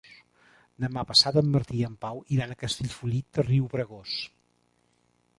Demà passat en Martí i en Pau iran a Castellfollit de Riubregós.